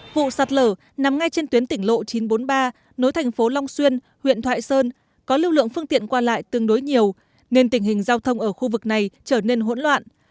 vụ sạt lở nằm ngay trên tuyến tỉnh lộ chín trăm bốn mươi ba nối thành phố long xuyên huyện thoại sơn có lưu lượng phương tiện qua lại tương đối nhiều nên tình hình giao thông ở khu vực này trở nên hỗn loạn